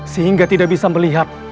sehingga tidak bisa melihat